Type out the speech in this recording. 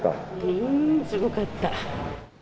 うん、すごかった。